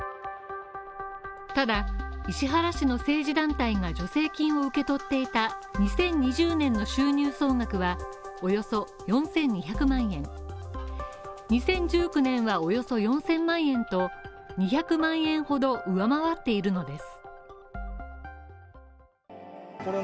ただ、石原氏の政治団体が助成金を受け取っていた２０２０年の収入総額はおよそ４２００万円、２０１６年はおよそ４０００万円と２００万円ほど上回っているのです。